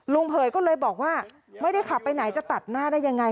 เผยก็เลยบอกว่าไม่ได้ขับไปไหนจะตัดหน้าได้ยังไง